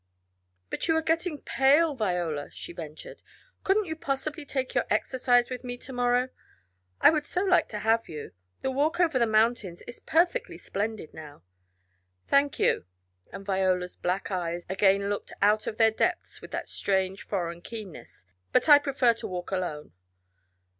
"But you are getting pale, Viola," she ventured. "Couldn't you possibly take your exercise with me to morrow? I would so like to have you. The walk over the mountains is perfectly splendid now." "Thank you," and Viola's black eyes again looked out of their depths with that strange foreign keenness. "But I prefer to walk alone."